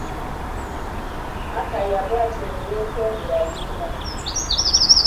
Akaya bw'atyo ne yeetondera nnyina.